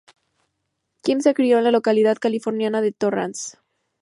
Kim se crio en la localidad californiana de Torrance.